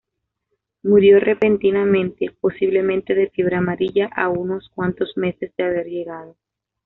Murió repentinamente, posiblemente de fiebre amarilla a unos cuantos meses de haber llegado.